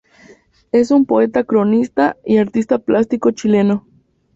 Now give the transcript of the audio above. Es un poeta, cronista y artista plástico chileno.